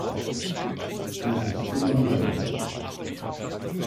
Dies ist unumgänglich.